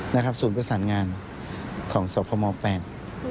นะครับศูนย์ประสานงานของสพมแปลง